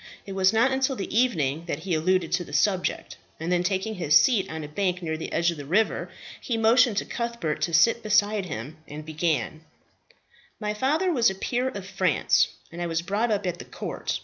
It was not until the evening that he alluded to the subject; and then taking his seat on a bank near the edge of the river, he motioned to Cuthbert to sit beside him, and began, "My father was a peer of France, and I was brought up at the court.